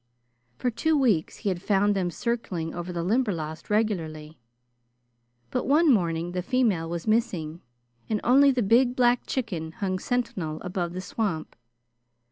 For two weeks he had found them circling over the Limberlost regularly, but one morning the female was missing and only the big black chicken hung sentinel above the swamp.